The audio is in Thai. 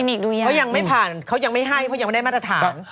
เพราะยังไม่ผ่านเขายังไม่ให้เพราะยังไม่ได้มาตรฐาน